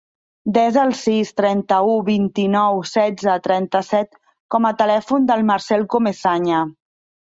Desa el sis, trenta-u, vint-i-nou, setze, trenta-set com a telèfon del Marcel Comesaña.